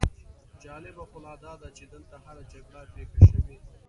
جالبه خو لا داده چې دلته هره جګړه پېښه شوې.